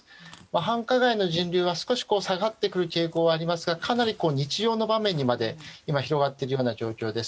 繁華街の人流は少し下がってくる傾向はありますがかなり日常の場面にまで広がっている状況です。